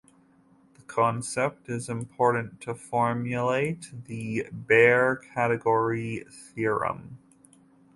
The concept is important to formulate the Baire category theorem.